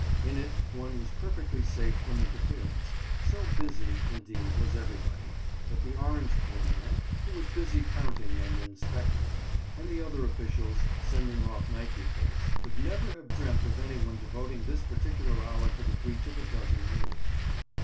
In it one was perfectly safe from interference; so busy, indeed, was everybody, that the orange peel man, who was busy counting and inspecting, and the other officials sending off night reports, would never have dreamt of anyone devoting this particular hour to the breach of a dozen rules.